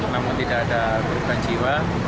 namun tidak ada korban jiwa